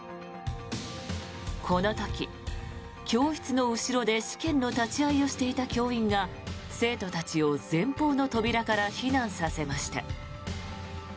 この時、教室の後ろで試験の立ち会いをしていた教員が生徒たちを前方の扉から避難させました。